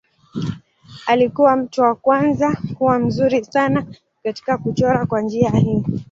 Alikuwa mtu wa kwanza kuwa mzuri sana katika kuchora kwa njia hii.